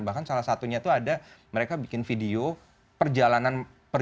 bahkan salah satunya tuh ada mereka bikin video perjalanan